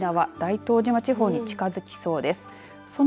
そのあと沖縄大東島地方に近づきそうです。